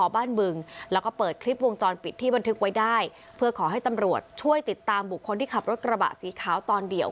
บ้านบึงแล้วก็เปิดคลิปวงจรปิดที่บันทึกไว้ได้เพื่อขอให้ตำรวจช่วยติดตามบุคคลที่ขับรถกระบะสีขาวตอนเดียว